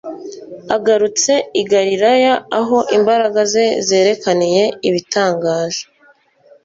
Agarutse i Galilaya aho imbaraga ze zerekaniye ibitangaje,